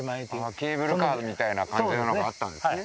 ケーブルカーみたいな感じなのがあったんですね。